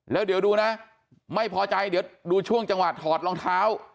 แล้วเดี๋ยวดูนะไม่พอใจเดี๋ยวดูช่วงจังหวะถอดรองเท้า